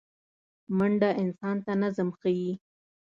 منډه انسان ته نظم ښيي